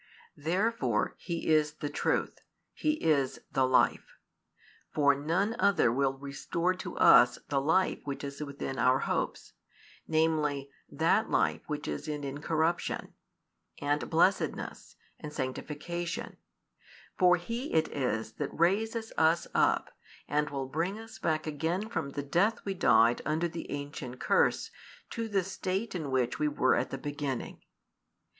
Therefore He is the Truth, He is the Life; for none other will restore to us the life which is within our hopes, namely, that life which is in incorruption, and blessedness, and sanctification: for He it is that raises us up, and will bring us back again from the death we died under the ancient curse, to the state in which we were at the beginning.